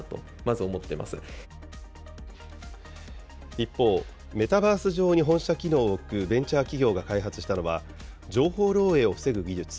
一方、メタバース上に本社機能を置くベンチャー企業が開発したのは、情報漏えいを防ぐ技術。